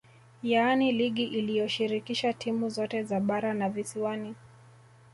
Yaani ligi iliyoshirikisha timu zote za bara na visiwani